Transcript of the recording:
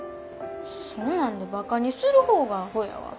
そんなんでバカにする方がアホやわ。